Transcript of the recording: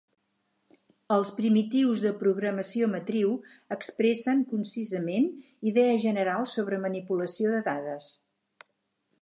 Els primitius de programació matriu expressen concisament idees generals sobre manipulació de dades.